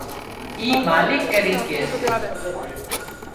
اي مالڪ ڪرِي ڪي سي